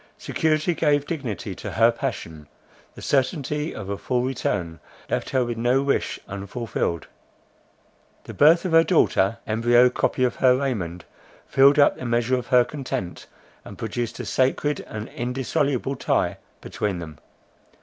Security gave dignity to her passion; the certainty of a full return, left her with no wish unfulfilled. The birth of her daughter, embryo copy of her Raymond, filled up the measure of her content, and produced a sacred and indissoluble tie between them.